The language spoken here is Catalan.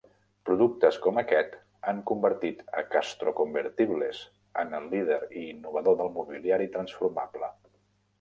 Productes com aquest han convertit a Castro Convertibles en el líder i innovador del mobiliari transformable.